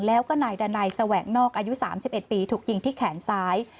แล้วก็นายดันัยแสวงนอกอายุ๓๑ปีถูกยิงที่แขนซ้าย